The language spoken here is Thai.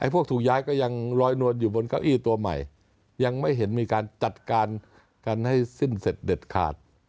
พวกถูกย้ายก็ยังลอยนวลอยู่บนเก้าอี้ตัวใหม่ยังไม่เห็นมีการจัดการกันให้สิ้นเสร็จเด็ดขาด